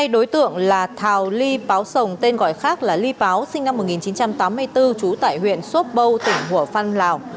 hai đối tượng là thào ly báo sồng tên gọi khác là ly báo sinh năm một nghìn chín trăm tám mươi bốn trú tại huyện sốt bâu tỉnh hủa phăn lào